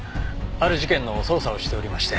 ある事件の捜査をしておりまして。